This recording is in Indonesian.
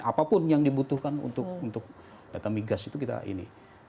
apapun yang dibutuhkan untuk data migas itu kita ini